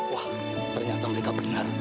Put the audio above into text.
wah ternyata mereka benar